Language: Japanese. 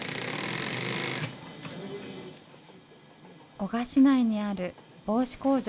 男鹿市内にある帽子工場。